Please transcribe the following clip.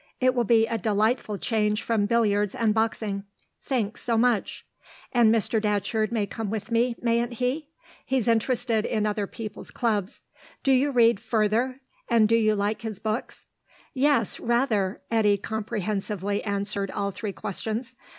It will be a delightful change from billiards and boxing. Thanks so much." "And Mr. Datcherd may come with me, mayn't he? He's interested in other people's clubs. Do you read Further? And do you like his books?" "Yes, rather," Eddy comprehensively answered all three questions.